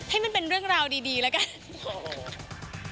ให้มันเป็นเรื่องราวดีแล้วกัน